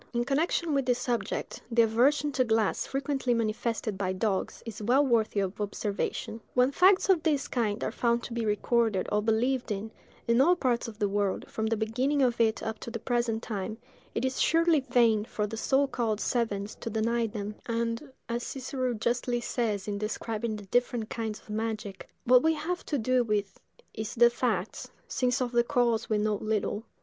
In connection with this subject, the aversion to glass frequently manifested by dogs is well worthy of observation. When facts of this kind are found to be recorded or believed in, in all parts of the world, from the beginning of it up to the present time, it is surely vain for the so called savants to deny them; and, as Cicero justly says in describing the different kinds of magic, "What we have to do with is the facts, since of the cause we know little.